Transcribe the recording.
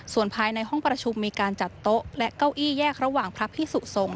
ส่วนภายในห้องประชุมมีการจัดโต๊ะและเก้าอี้แยกระหว่างพระพิสุสงฆ